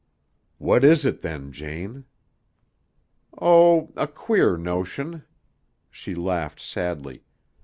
"What is it, then, Jane?" "Oh, a queer notion." She laughed sadly.